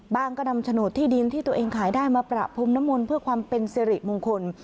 ก็นำโฉนดที่ดินที่ตัวเองขายได้มาประพรมนมลเพื่อความเป็นสิริมงคล